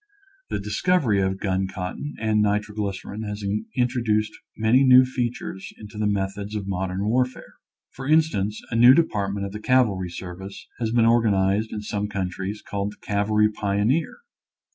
The discovery of gun cotton and nitroglycerin has introduced many new fea tures into the methods of modern warfare. For instance, a new department of the cavalry service has been organized in some countries called the cavalry pioneer.